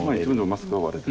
・マスクは割れて。